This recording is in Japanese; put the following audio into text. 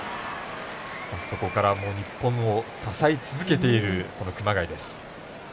そこから日本を支え続けている熊谷です